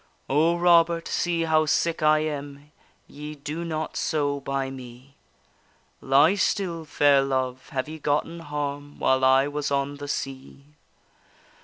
O, Robert, see how sick I am! Ye do not so by me. Lie still, fair love, have ye gotten harm While I was on the sea?